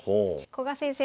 古賀先生